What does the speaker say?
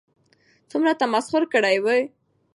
څومره تمسخر كړى وي